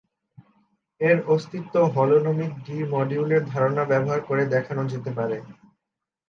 এর অস্তিত্ব হলোনোমিক ডি মডিউলের ধারণা ব্যবহার করে দেখানো যেতে পারে।